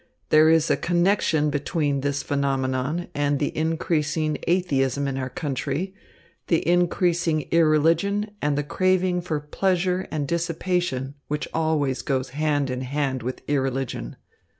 "There is a connection between this phenomenon and the increasing atheism in our country, the increasing irreligion, and the craving for pleasure and dissipation, which always goes hand in hand with irreligion.